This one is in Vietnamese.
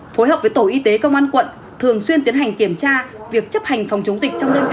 phối hợp với tổ y tế công an quận thường xuyên tiến hành kiểm tra việc chấp hành phòng chống dịch trong đơn vị